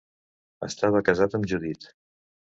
Estava casat amb Judit.